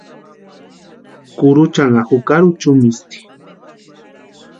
Kuruchanha jukari uchumisïnti.